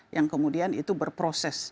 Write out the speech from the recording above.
yang kemudian itu berproses